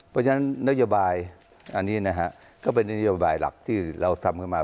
เพราะฉะนั้นนโยบายอันนี้นะฮะก็เป็นนโยบายหลักที่เราทำขึ้นมา